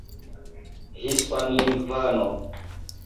hispanlingvano